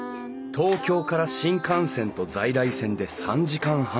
東京から新幹線と在来線で３時間半。